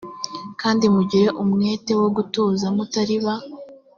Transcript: kandi mugire umwete wo gutuza mutari ba